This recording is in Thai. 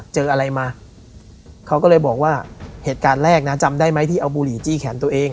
เจออะไรมาเขาก็เลยบอกว่าเหตุการณ์แรกนะจำได้ไหมที่เอาบุหรี่จี้แขนตัวเอง